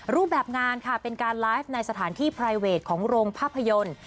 รูปแบบงานค่ะเป็นการไลฟ์ในสถานที่ไพรเวทของโรงภาพยนตร์